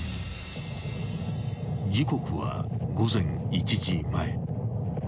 ［時刻は午前１時前］